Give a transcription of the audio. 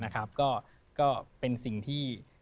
ก็เป็นสิ่งที่